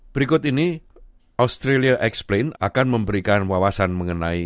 berikut ini australia explained akan memberikan wawasan mengenai